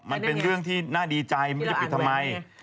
มันเป็นเรื่องที่น่าดีใจไม่รู้จะปิดทำไม